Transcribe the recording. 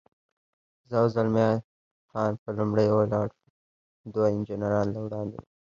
زه او زلمی خان به لومړی ولاړ شو، دوه انجنیران له وړاندې لا.